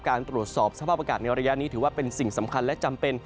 ตรวจสอบสภาพอากาศในระยะนี้ถือว่าเป็นสิ่งสำคัญและจำเป็น